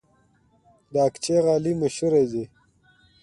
د اقچې غالۍ مشهورې دي